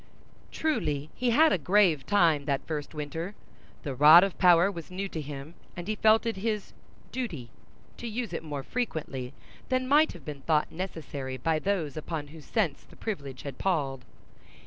Truly he had a grave time that first winter. The rod of power was new to him, and he felt it his "duty" to use it more frequently than might have been thought necessary by those upon whose sense the privilege had palled.